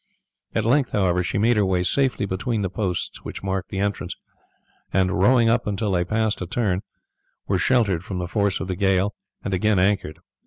At length, however, she made her way safely between the posts which marked the entrance, and rowing up until they passed a turn, and were sheltered from the force of the gale, they again anchored.